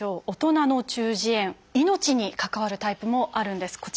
大人の中耳炎命に関わるタイプもあるんです。